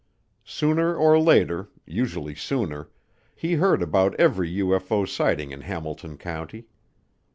Sooner or later, usually sooner, he heard about every UFO sighting in Hamilton County.